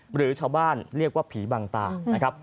หรือชาวบ้านเรียกว่าผีบางตานะครับ